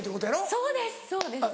そうですそうです。